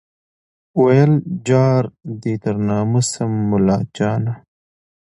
ویل جار دي تر نامه سم مُلاجانه